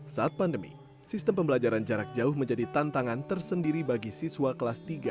saat pandemi sistem pembelajaran jarak jauh menjadi tantangan tersendiri bagi siswa kelas tiga